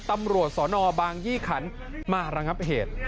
ตำรวจสนบางยี่ขันมาระงับเหตุ